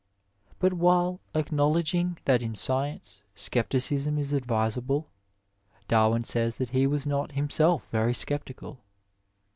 But while acknowledging that in science scepticism is advisable, Darwin says that he was not himself very sceptical.